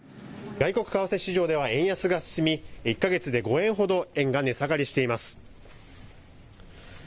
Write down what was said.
外国為替市場では円安が進み、１か月で５円ほど円が値下がりしています。